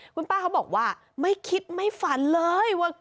คุณป้าเขาบอกว่าไม่คิดไม่ฝันเลยว่า